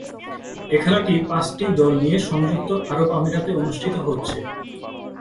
এ খেলাটি পাঁচটি দল নিয়ে সংযুক্ত আরব আমিরাতে অনুষ্ঠিত হচ্ছে।